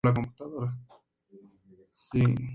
Es muy particular.